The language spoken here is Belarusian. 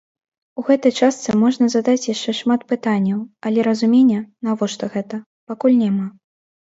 У гэтай частцы можна задаць яшчэ шмат пытанняў, але разумення, навошта гэта, пакуль няма.